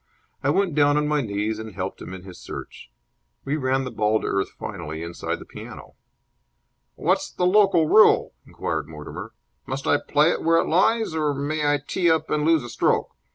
I went down on my knees and helped him in his search. We ran the ball to earth finally inside the piano. "What's the local rule?" inquired Mortimer. "Must I play it where it lies, or may I tee up and lose a stroke?